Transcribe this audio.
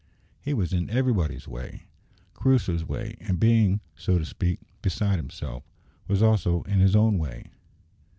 He was in everybody's way, in Crusoe's way, and being, so to speak, "beside himself," was also in his own way.